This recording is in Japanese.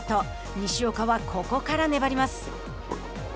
西岡は、ここから粘ります。